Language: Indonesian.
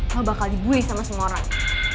kau bakal dibully sama semua orang